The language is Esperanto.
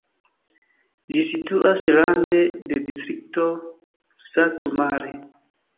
Ĝi situas rande de distrikto Satu Mare.